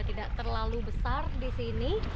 tidak jauh dari sana